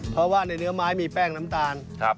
เพราะว่าในเนื้อไม้มีแป้งน้ำตาล